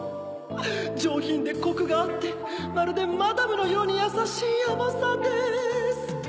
じょうひんでコクがあってまるでマダムのようにやさしいあまさです！